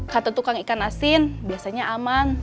kata tukang ikan asin biasanya aman